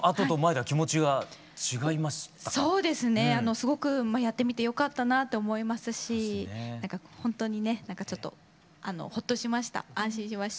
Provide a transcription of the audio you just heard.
すごくやってみてよかったなと思いますし何かほんとにね何かちょっとほっとしました安心しました。